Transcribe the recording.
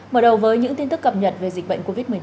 mở đầu với những tin tức cập nhật về dịch bệnh covid một mươi chín